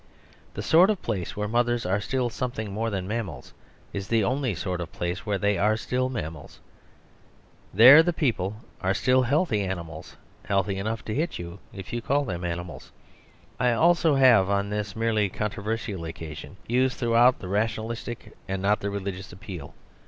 The sort of place where mothers are still something more than mammals is the only sort of place where they still are mam mals. There the people are still healthy ani mals; healthy enough to hit you if you call them animals. I also have, on this merely controversial occasion, used throughout the rationalistic and not the religious appeal.